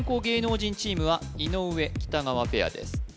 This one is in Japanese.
芸能人チームは井上・北川ペアです